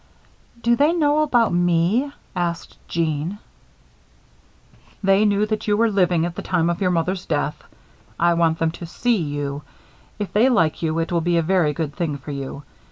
"Do they know about me?" asked Jeanne. "They knew that you were living at the time of your mother's death. I want them to see you. If they like you, it will be a very good thing for you.